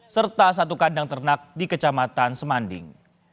serta satu kandang ternak di kecamatan semanding